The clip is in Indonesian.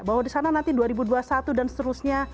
bahwa di sana nanti dua ribu dua puluh satu dan seterusnya